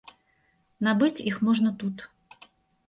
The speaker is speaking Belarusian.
Набыць іх можна тут.